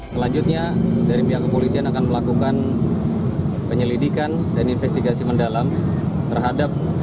selanjutnya dari pihak kepolisian akan melakukan penyelidikan dan investigasi mendalam terhadap